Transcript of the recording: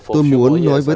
tôi muốn nói với